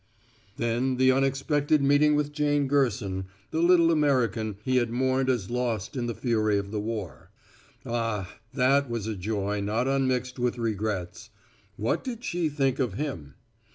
Then the unexpected meeting with Jane Gerson, the little American he had mourned as lost in the fury of the war. Ah, that was a joy not unmixed with regrets! What did she think of him?